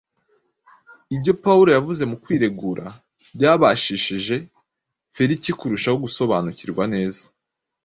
Ibyo Pawulo yavuze mu kwiregura byabashishije Feliki kurushaho gusobanukirwa neza